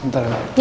temui dulu ya